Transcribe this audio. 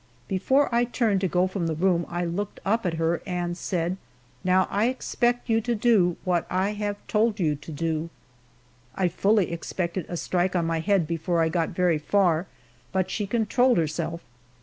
Before I turned to go from the room I looked up at her and said, "Now I expect you to do what I have told you to do." I fully expected a strike on my head before I got very far, but she controlled herself.